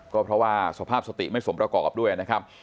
ก็เพราะว่าสภาพสติไม่สมประกอบด้วยนะครับ